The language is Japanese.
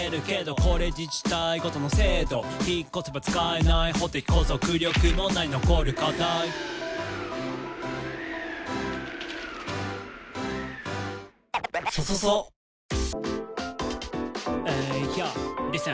「これ自治体ごとの制度」「引っ越せば使えない法的拘束力もない残る課題」「ＹＯリーさん